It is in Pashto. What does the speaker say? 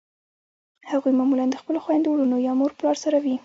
هغوی معمولأ د خپلو خویندو ورونو یا مور پلار سره وي.